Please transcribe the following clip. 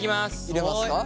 入れますか。